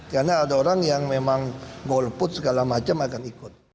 karena ada orang yang memang golput segala macam akan ikut